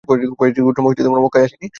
কয়েকটি গোত্র মক্কায় আসেনি।